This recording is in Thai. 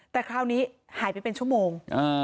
แต่คราวนี้หายไปเป็นชั่วโมง